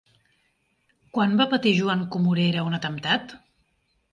Quan va patir Joan Comorera un atemptat?